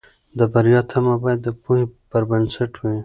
د بریا تمه باید د پوهې پر بنسټ وي.